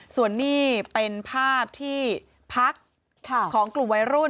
ส่วนนี้เป็นภาพที่พักของกลุ่มวัยรุ่น